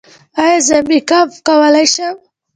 ایا زه میک اپ کولی شم؟